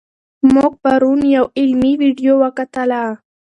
موږ پرون یوه علمي ویډیو وکتله.